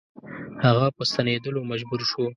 هغه په ستنېدلو مجبور شو.